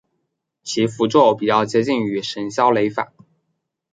其符箓比较接近于神霄雷法。